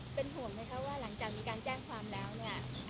เป็นห่วงไหมคะว่าหลังจากมีการแจ้งความแล้วเนี่ย